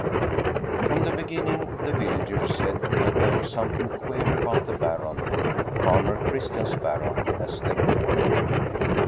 ROM the beginning the villagers said that there was something queer about the Baron, " Farmer Chris tian's Baron," as they called him.